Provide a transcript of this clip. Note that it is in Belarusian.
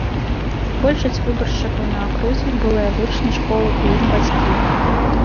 Большасць выбаршчыкаў на акрузе былыя вучні школы і іх бацькі.